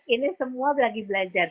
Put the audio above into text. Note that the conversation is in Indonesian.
ini semua lagi belajar